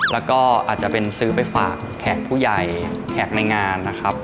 แล้วก็อาจจะเป็นซื้อไปฝากแขกผู้ใหญ่แขกในงานนะครับ